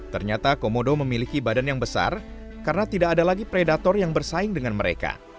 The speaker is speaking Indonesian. ternyata komodo memiliki badan yang besar karena tidak ada lagi predator yang bersaing dengan mereka